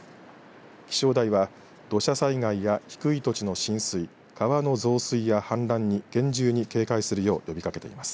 気象台は土砂災害や低い土地の浸水川の増水や氾濫に厳重に警戒するよう呼びかけています。